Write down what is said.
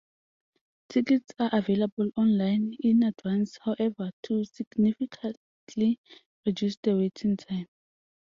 Tickets are available on-line in advance, however, to significantly reduce the waiting time.